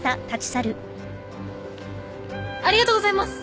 ありがとうございます！